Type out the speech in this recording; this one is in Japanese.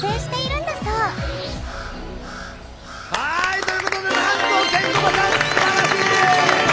はいということでなんとケンコバさんすばらしい！